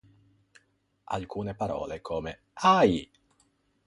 Alcune parole, come "Ahi!